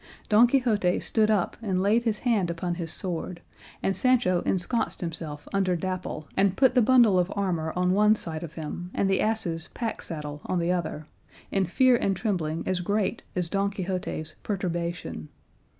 Don Quixote stood up and laid his hand upon his sword, and Sancho ensconced himself under Dapple and put the bundle of armour on one side of him and the ass's pack saddle on the other, in fear and trembling as great as Don Quixote's perturbation.